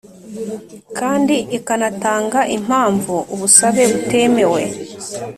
Kandi ikanatanga impamvu ubusabe butemewe